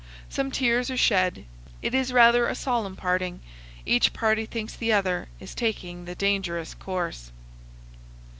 Some tears are shed; it is rather a solemn parting; each party thinks the other is taking the dangerous course.